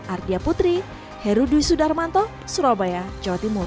ardia putri herudwi sudarmanto surabaya jawa timur